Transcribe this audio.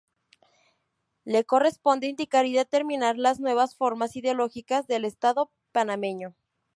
Le corresponde indicar y determinar las nuevas formas ideológicas del Estado panameño.